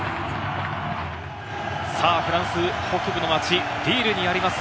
フランス北部の街リールにあります